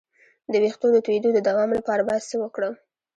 د ویښتو د تویدو د دوام لپاره باید څه وکړم؟